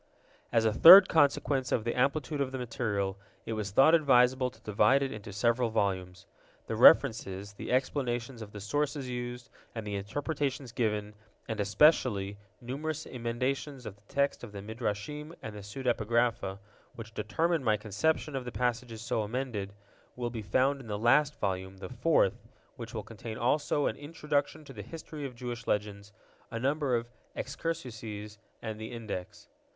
As a third consequence of the amplitude of the material, it was thought advisable to divide it into several volumes. The references, the explanations of the sources used, and the interpretations given, and, especially, numerous emendations of the text of the Midrashim and the pseudepigrapha, which determined my conception of the passages so emended, will be found in the last volume, the fourth, which will contain also an Introduction to the History of Jewish Legends, a number of Excursuses, and the Index.